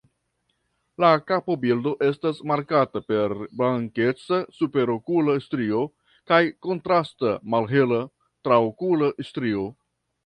La kapobildo estas markata per blankeca superokula strio kaj kontrasta malhela traokula strio.